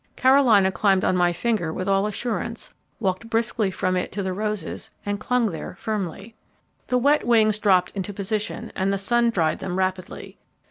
Carolina climbed on my finger with all assurance, walked briskly from it to the roses, and clung there firmly. The wet wings dropped into position, and the sun dried them rapidly.